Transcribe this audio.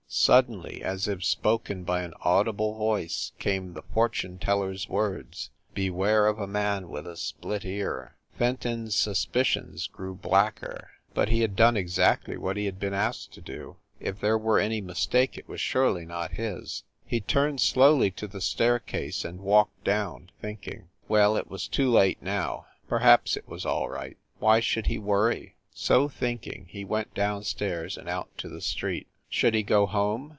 Suddenly, as if spoken by an audible voice, came the fortune teller s words "beware of a man with a split ear!" Fenton s suspicions grew blacker. But he had done exactly what he had been asked to do if there were any mistake it was surely not his. He turned slowly to the staircase, and walked down, thinking. Well, it was too late, now. Perhaps it was all right. Why should he worry? So thinking he went down stairs and out to the street. Should he go home